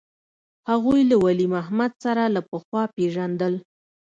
هغوى له ولي محمد سره له پخوا پېژندل.